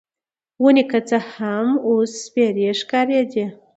ونې که څه هم، اوس سپیرې ښکارېدې.